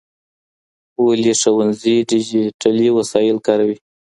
ولي ښوونځي ډیجیټلي وسایل کاروي؟